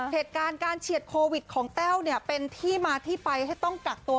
เหตุการณ์การเฉียดโควิดของแต้วเนี่ยเป็นที่มาที่ไปให้ต้องกักตัว